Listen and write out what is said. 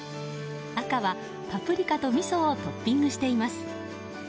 赤はパプリカとみそをトッピングしています。